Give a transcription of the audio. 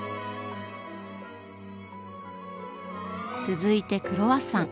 続いてクロワッサン。